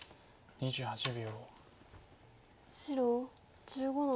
２８秒。